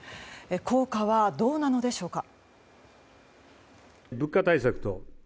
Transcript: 効果はどうなのでしょうか。